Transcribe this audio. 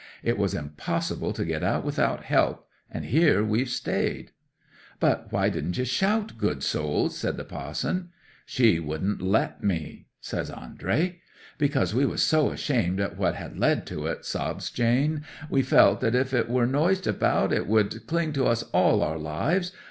It was impossible to get out without help, and here we've stayed!" '"But why didn't you shout, good souls?" said the pa'son. '"She wouldn't let me," says Andrey. '"Because we were so ashamed at what had led to it," sobs Jane. "We felt that if it were noised abroad it would cling to us all our lives!